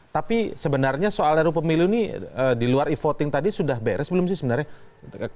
tapi sebenarnya soal ru pemilu ini di luar e voting tadi sudah beres belum sih sebenarnya